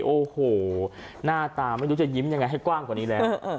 โอ้โหหน้าตาไม่รู้จะยิ้มยังไงให้กว้างกว่านี้แล้ว